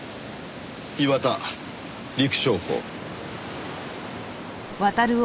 岩田陸将補。